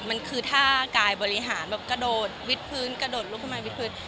มันคือท่ากายบริหารแบบกระโดดวิดพื้นกระโดดลุกขึ้นมาวิดพื้น